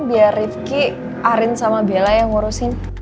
biar rifqi arin sama bela yang ngurusin